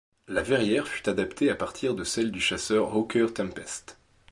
La verrière fut adaptée à partir de celle du chasseur Hawker Tempest.